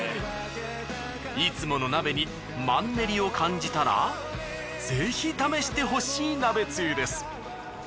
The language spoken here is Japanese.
いつもの鍋にマンネリを感じたらぜひ試してほしい鍋つゆです。